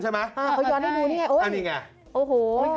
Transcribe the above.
เอาย้อนให้ดูนี่ไงอุ้ยโอ้โหใช่ครับค่ะโอ้โห